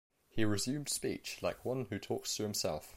He resumed speech like one who talks to himself.